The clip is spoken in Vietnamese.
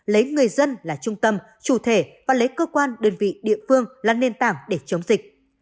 lấy người dân là trung tâm chủ thể và lấy cơ quan đơn vị địa phương là nền tảng để chống dịch